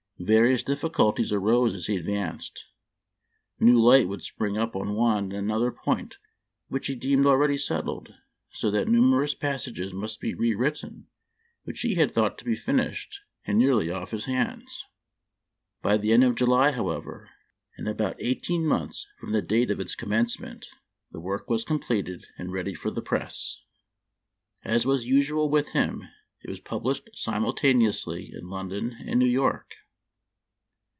Various difficulties arose as he advanced. New light would spring up on one and another point which he deemed already settled, so that nu merous passages must be rewritten which he had thought to be finished and nearly off of his hands. By the end of July, however, and about eighteen months from the date of its com mencement, the work was completed and ready for the press. As was usual with him, it was published simultaneously in London and New York.